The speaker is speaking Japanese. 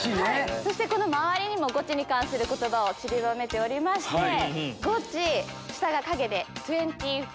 そして周りにもゴチに関する言葉をちりばめておりまして「ゴチ」下が影で「２４」。